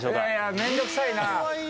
面倒くさいな。